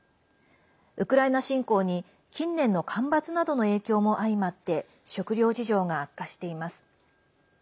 ウクライナ侵攻に、近年の干ばつなどの影響も相まって食糧事情が悪化しています。